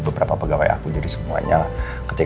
beberapa pegawai aku jadi semuanya ketik